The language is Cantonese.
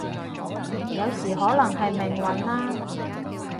有時可能係命運啦